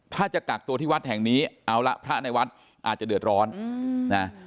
ถ้าจะกักตัวที่วัดแห่งนี้เอาละพระในวัดอาจจะเดือดร้อนนะ